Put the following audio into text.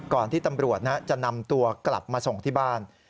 ที่ตำรวจจะนำตัวกลับมาส่งที่บ้าน